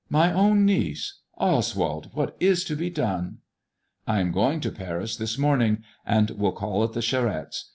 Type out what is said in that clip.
My own niece I Oswald, what is to be done 1 "" I am going to Paris this morning, and will call at the Charettes'.